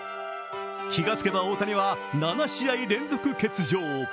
気がつけば大谷は７試合連続欠場。